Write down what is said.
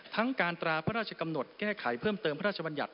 ทั้งการตรากำหนดแก้ไขเพิ่มเติมพระราชบัญญัต